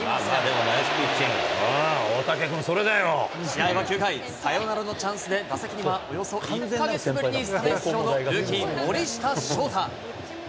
でもナイスピッチング、試合は９回、サヨナラのチャンスで打席にはおよそ１か月ぶりのスタメン出場のルーキー、森下翔太。